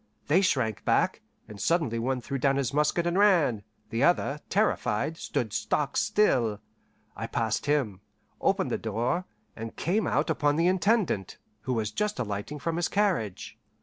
They shrank back, and suddenly one threw down his musket and ran; the other, terrified, stood stock still. I passed him, opened the door, and came out upon the Intendant, who was just alighting from his carriage.